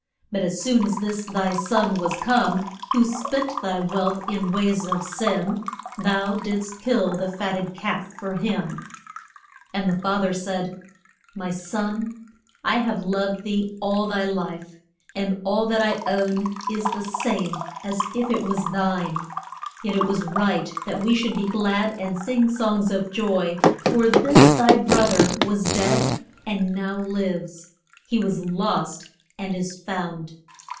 But as soon as this thy son was come, who spent thy wealth in ways of sin, thou didst kill the fat ted calf for him. And the fa ther said, My son, I have loved thee all thy life, and all that I own is the same as if it was thine; yet it was right that we should be glad and sing songs of joy, for this thy broth er was dead and now lives; he was lost and is found.